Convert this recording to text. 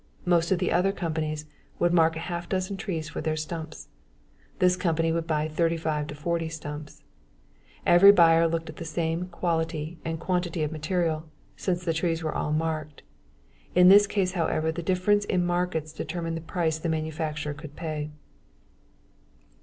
Most of the other companies would mark a half dozen trees for their stumps. This company would buy 35 to 40 stumps. Every buyer looked at the same quality and quantity of material, since the trees were all marked. In this case, however, the difference in markets determined the price the manufacturer could pay.